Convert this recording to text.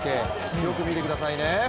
よく見てくださいね。